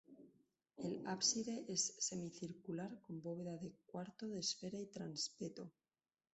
El ábside es semicircular con bóveda de cuarto de esfera y transepto.